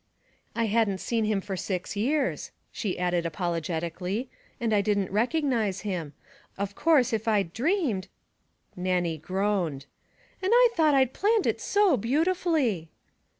'I hadn't seen him for six years,' she added apologetically, 'and I didn't recognize him. Of course if I'd dreamed ' Nannie groaned. 'And I thought I'd planned it so beautifully!'